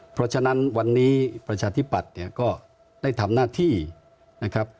เพราะฉะนั้นวันนี้ประชาธิปัตย์เนี่ยก็ได้ทำหน้าที่นะครับ